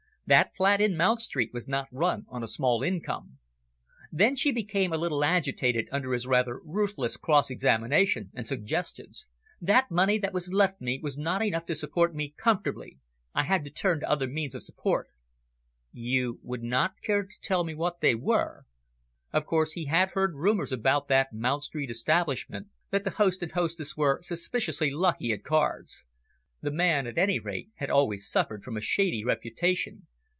That flat in Mount Street was not run on a small income." She became a little agitated under his rather ruthless cross examination and suggestions. "The money that was left me was not enough to support me comfortably. I had to turn to other means of support." "You would not care to tell me what they were?" Of course he had heard rumours about that Mount Street establishment, that the host and hostess were suspiciously lucky at cards. The man, at any rate, had always suffered from a shady reputation.